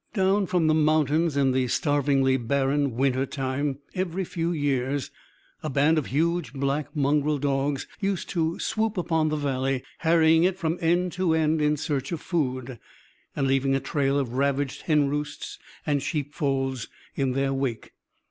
Down from the mountains in the starvingly barren winter time, every few years, a band of huge black mongrel dogs used to swoop upon the Valley, harrying it from end to end in search of food; and leaving a trail of ravaged henroosts and sheepfolds in their wake.